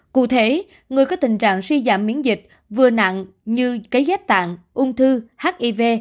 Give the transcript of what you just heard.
cụ thể người có tình trạng suy giảm miễn dịch vừa nặng như cấy ghép tạng ung thư hiv